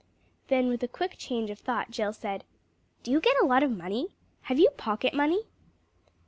Then with a quick change of thought, Jill said "Do you get a lot of money? Have you pocket money?"